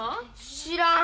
知らん。